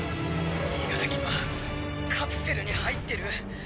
死柄木はカプセルに入ってる。